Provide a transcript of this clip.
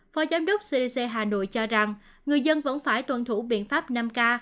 phó giám đốc cdc hà nội cho rằng người dân vẫn phải tuân thủ biện pháp năm k